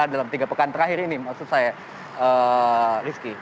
dalam tiga pekan terakhir ini maksud saya rizky